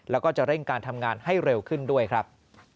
แล้วก็จะเร่งการทำงานให้เร็วขึ้นด้วยครับ